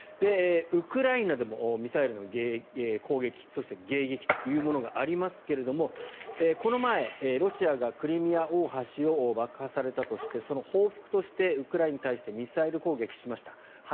ウクライナでもミサイルの攻撃そして、迎撃というものがありますがこの前、ロシアがクリミア大橋を爆破されたとしてその報復としてウクライナに対してミサイル攻撃をしました。